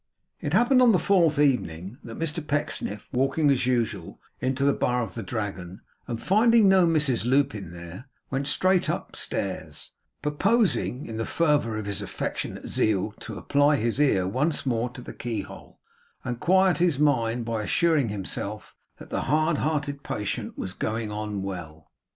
It happened on the fourth evening, that Mr Pecksniff walking, as usual, into the bar of the Dragon and finding no Mrs Lupin there, went straight upstairs; purposing, in the fervour of his affectionate zeal, to apply his ear once more to the keyhole, and quiet his mind by assuring himself that the hard hearted patient was going on well.